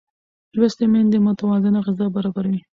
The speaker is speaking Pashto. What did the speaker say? لوستې میندې متوازنه غذا برابروي.